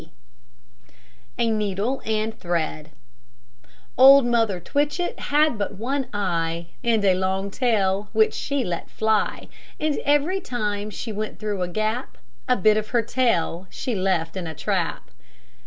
A NEEDLE AND THREAD Old Mother Twitchett had but one eye, And a long tail which she let fly; And every time she went through a gap, A bit of her tail she left in a trap.